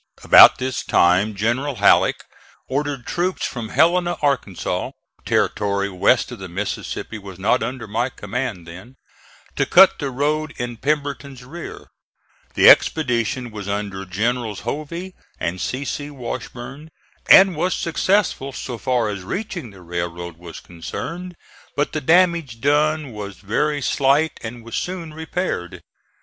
About this time General Halleck ordered troops from Helena, Arkansas (territory west of the Mississippi was not under my command then) to cut the road in Pemberton's rear. The expedition was under Generals Hovey and C. C. Washburn and was successful so far as reaching the railroad was concerned, but the damage done was very slight and was soon repaired.